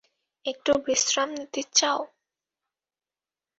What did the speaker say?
একটু বিশ্রাম নিতে চাও?